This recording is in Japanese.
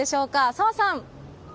澤さん。